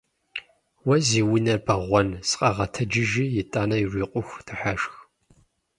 Уэ зи унэр бэгъуэн! Сыкъэгъэтэджыжи итӏанэ урикъуху дыхьэшх!